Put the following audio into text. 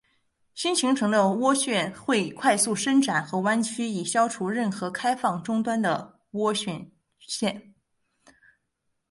新形成的涡旋会快速伸展和弯曲以消除任何开放终端的涡旋线。